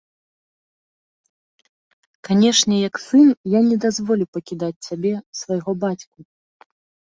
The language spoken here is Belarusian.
Канечне, як сын, я не дазволю пакідаць цябе, свайго бацьку.